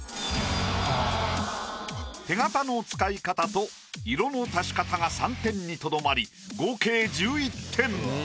手形の使い方と色の足し方が３点にとどまり合計１１点。